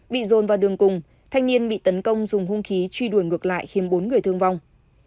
bị dồn vào đường cùng thanh niên bị tấn công dùng hung khí truy đuổi ngược lại khiến bốn người thương vong